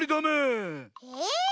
え？